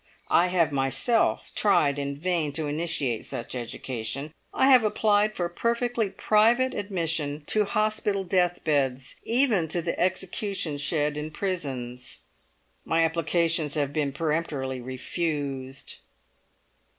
I have myself tried in vain to initiate such education. I have applied for perfectly private admission to hospital deathbeds, even to the execution shed in prisons. My applications have been peremptorily refused."